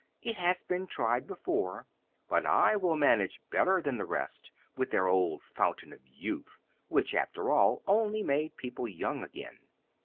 It has been tried before; but I will manage better than the rest, with their old Fountain of Youth, which, after all, only made people young again.